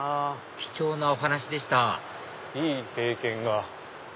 貴重なお話でしたいい経験が。